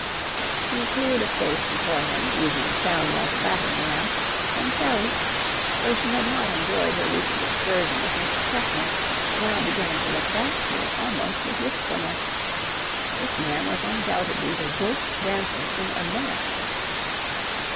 He cleared a space before him, using Sally as a battering ram, and Sally, though she had not enjoyed her recent excursion with Mr. Cracknell, now began to look back to it almost with wistfulness. This man was undoubtedly the worst dancer in America.